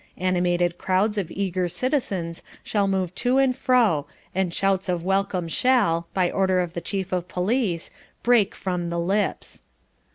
Animated crowds of eager citizens shall move to and fro and shouts of welcome shall, by order of the Chief of Police, break from the lips.